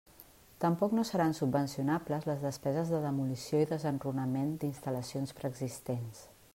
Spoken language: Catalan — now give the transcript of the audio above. Tampoc no seran subvencionables les despeses de demolició i desenrunament d'instal·lacions preexistents.